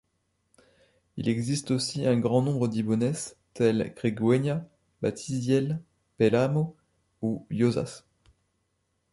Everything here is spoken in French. Il existe aussi un grand nombre d'ibónes, tels Cregüeña, Batisielles, Perramó, ou Llosás.